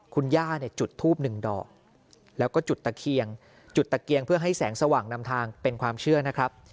คุณย่าเนี่ยจุดทูบหนึ่งดอกแล้วก็จุดตะเคียงจุดตะเกียงเพื่อให้แสงสว่างนำทางเป็นความเชื่อนะครับ